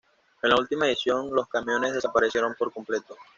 En la última edición los camiones desaparecieron por completo.